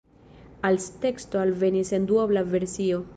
Als teksto alvenis en duobla versio.